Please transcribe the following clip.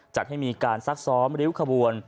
จัดให้มีการซักซ้อมริ้วขบวน